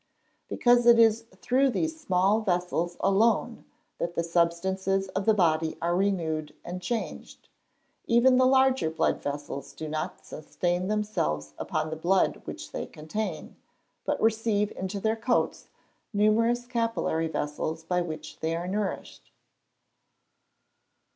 _ Because it is through these small vessels alone that the substances of the body are renewed and changed. Even the larger blood vessels do not sustain themselves upon the blood which they contain, but receive into their coats numerous capillary vessels by which they are nourished.